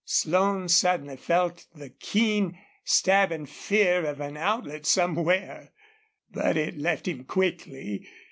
Slone suddenly felt the keen, stabbing fear of an outlet somewhere. But it left him quickly.